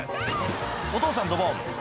お父さんドボン